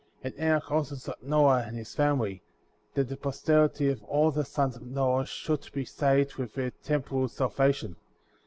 42. And Enoch also saw N'oah^*' and his family; that the posterity of all the sons of Noah should be saved with a temporal salvation ; 43.